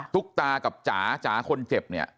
ตุ๊กตากับจ๋าจ๋าคนเจ็บเนี่ย